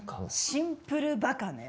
シンプルバカね。